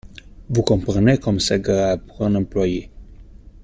Vous comprenez comme c’est grave pour un employé.